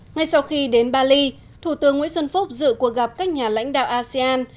ngay sau khi đến bali thủ tướng nguyễn xuân phúc dự cuộc gặp các nhà lãnh đạo asean